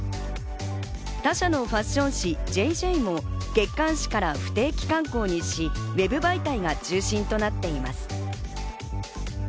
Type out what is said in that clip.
他社のファッション誌『ＪＪ』も月刊誌から不定期刊行にし、ＷＥＢ媒体が中心となっています。